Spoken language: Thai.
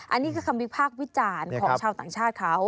อันนี้คือคำวิพากษ์วิจารณ์ของชาวต่างชาติเขา